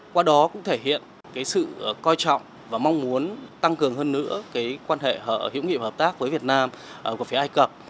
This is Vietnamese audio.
qua đó cũng thể hiện sự coi trọng và mong muốn tăng cường hơn nữa quan hệ hữu nghị và hợp tác với việt nam của phía ai cập